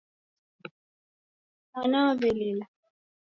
Mwana waw'elila.